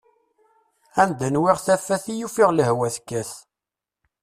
Anda nwiɣ tafat i yufiɣ lehwa tekkat!